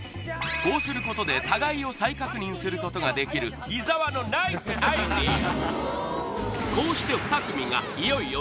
こうすることで互いを再確認することができる伊沢のナイスアイデア